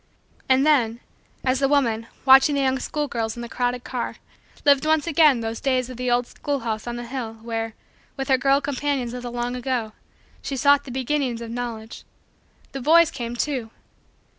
And then as the woman, watching the young schoolgirls in the crowded car, lived once again those days of the old schoolhouse on the hill where, with her girl companions of the long ago, she sought the beginnings of Knowledge the boys came, too.